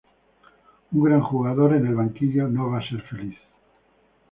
Un gran jugador en el banquillo no va a ser feliz".